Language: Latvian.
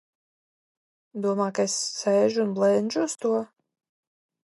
Domā, ka es sēžu un blenžu uz to?